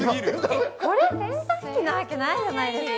これ洗濯機なわけないじゃないですか。